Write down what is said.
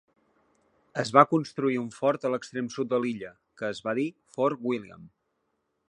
Es va construir un fort a l'extrem sud de l'illa, que es va dir Fort William.